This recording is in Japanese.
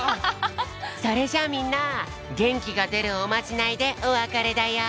それじゃあみんなげんきがでるおまじないでおわかれだよ。